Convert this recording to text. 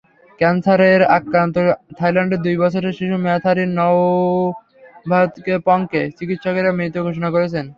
ক্যানসারে আক্রান্ত থাইল্যান্ডের দুই বছরের শিশু ম্যাথারিন নাওভারাতপংকে চিকিৎসকেরা মৃত ঘোষণা করেছেন।